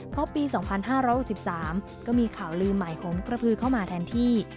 เพราะปี๒๕๖๓ก็มีข่าวลืมใหม่ของกระพือเข้ามาแทนที่